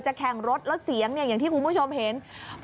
แข่งรถแล้วเสียงอย่างที่คุณผู้ชมเห็น